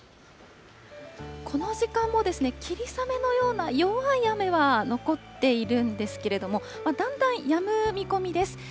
この時間もですね、霧雨のような弱い雨は残っているんですけれども、だんだんやむ見込みです。